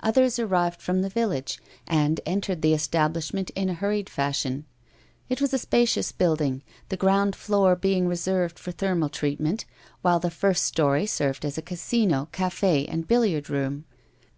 Others arrived from the village, and entered the establishment in a hurried fashion. It was a spacious building, the ground floor being reserved for thermal treatment, while the first story served as a casino, café, and billiard room.